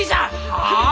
はあ！？